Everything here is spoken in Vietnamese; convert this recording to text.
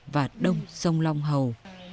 và đông sông long hầu